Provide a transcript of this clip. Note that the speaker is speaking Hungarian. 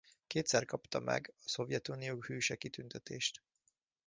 Kétszer kapta meg a Szovjetunió Hőse kitüntetést.